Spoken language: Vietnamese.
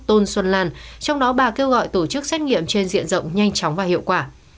tôn xuân lan trong đó bà kêu gọi tổ chức xét nghiệm trên diện rộng nhanh chóng và hiệu quả